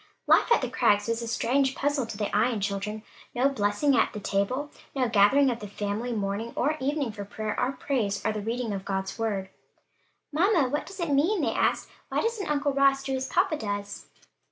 Life at the Crags was a strange puzzle to the Ion children: no blessing asked at the table, no gathering of the family morning or evening for prayer or praise or the reading of God's word. "Mamma, what does it mean?" they asked; "why doesn't Uncle Ross do as papa does?"